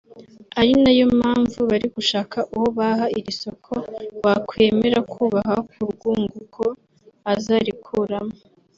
ari nayo mpamvu bari gushaka uwo baha iri soko wakwemera kubaha ku rwunguko azarikuramo